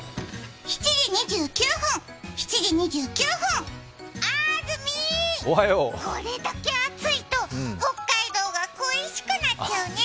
７時２９分、あーずみー、これだけ暑いと北海道が恋しくなっちゃうね。